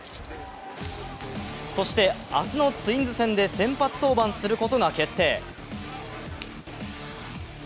そして、明日のツインズ戦で先発登板することが決定。